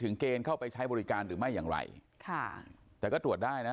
ตอนนี้กำลังจะโดดเนี่ยตอนนี้กำลังจะโดดเนี่ย